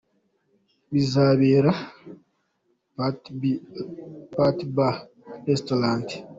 Bizabera : Quelque Part Bar &Restaurant.